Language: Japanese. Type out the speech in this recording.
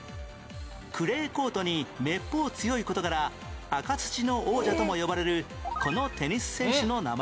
クレーコートにめっぽう強い事から赤土の王者とも呼ばれるこのテニス選手の名前は？